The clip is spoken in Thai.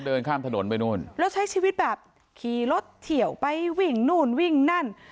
เดินข้ามถนนไปนู่นแล้วใช้ชีวิตแบบขี่รถเฉียวไปวิ่งนู่นวิ่งนั่น